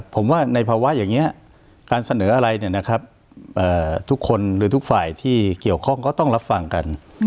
ผมว่าในภาวะอย่างนี้การเสนออะไรทุกคนหรือทุกฝ่ายที่เกี่ยวข้องก็ต้องรับฟังกัน